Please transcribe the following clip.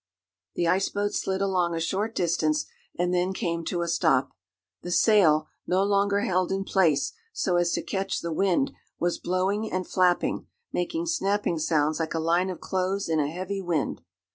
The ice boat slid along a short distance, and then came to a stop. The sail, no longer held in place so as to catch the wind, was blowing and flapping, making snapping sounds like a line of clothes in a heavy wind.